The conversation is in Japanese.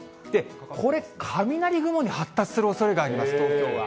これ、雷雲に発達するおそれがあります、東京は。